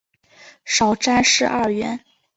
少詹事二员。